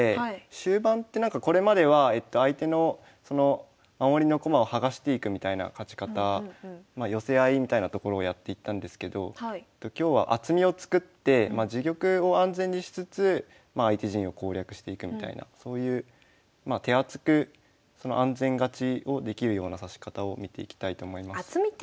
終盤ってなんかこれまでは相手の守りの駒を剥がしていくみたいな勝ち方寄せ合いみたいなところをやっていったんですけど今日はそういう手厚く安全勝ちをできるような指し方を見ていきたいと思います。